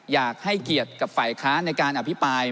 อยากให้เกียรติกับฝ่ายค้านในการอภิปราย